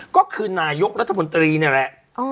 ก็คือนายกรัฐมนตรีนี่แหละ